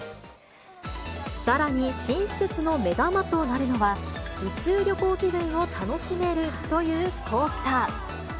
さらに、新施設の目玉となるのは、宇宙旅行気分を楽しめるというコースター。